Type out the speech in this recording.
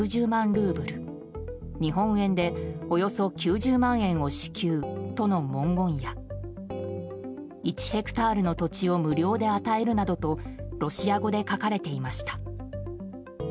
ルーブル日本円でおよそ９０万円を支給との文言や１ヘクタールの土地を無料で与えるなどとロシア語で書かれていました。